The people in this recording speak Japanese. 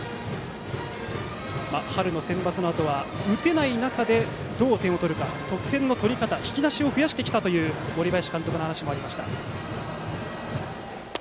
春のセンバツのあとは打てない中でどう点を取るか、得点の取り方引き出しを増やしてきたという森林監督の話もありました。